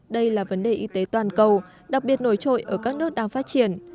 đây là vấn đề y tế toàn cầu đặc biệt nổi trội ở các nước đang phát triển